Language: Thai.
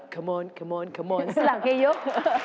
เข้ามาสลังเกยุก